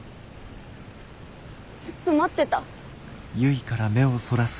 ずっと待ってた。